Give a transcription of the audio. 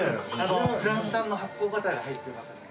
フランス産の発酵バターが入っていますので。